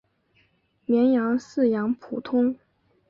绵羊饲养普通。